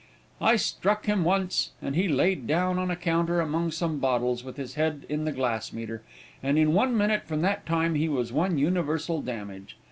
"I struck him once, and he laid down in a corner among some bottles, with his head in the gas meter, and in one minute from that time he was one universal damage.